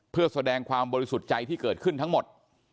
เพื่อแสดงความบริสุทธิ์ใจที่เกิดขึ้นทั้งหมด